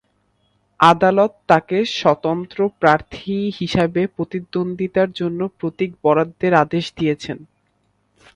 আদালত তাঁকে স্বতন্ত্র প্রার্থী হিসেবে প্রতিদ্বন্দ্বিতার জন্য প্রতীক বরাদ্দের আদেশ দিয়েছেন।